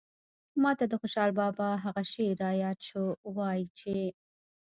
ماته د خوشال بابا هغه شعر راياد شو وايي چې